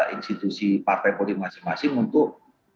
institusi partai politik masing masing untuk